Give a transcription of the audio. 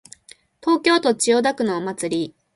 東京都千代田区のお祭り